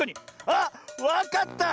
あっわかった！